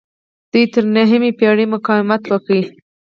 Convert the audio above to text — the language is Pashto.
دوی تر نهمې پیړۍ مقاومت وکړ